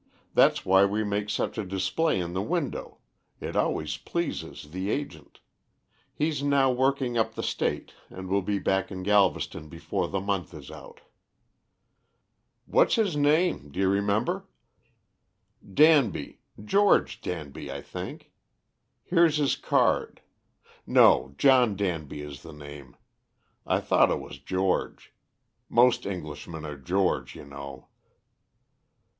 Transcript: that's why we make such a display in the window, it always pleases the agent ... he's now working up the State and will be back in Galveston before the month is out." "What's his name? Do you remember?" "Danby. George Danby, I think. Here's his card. No, John Danby is the name. I thought it was George. Most Englishmen are George, you know."